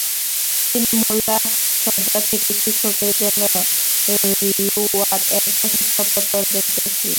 তিনি Mulla Sadra থেকে শিক্ষকতার জন্য "রিওয়াত" এর প্রশংসাপত্র অর্জন করেছিলেন।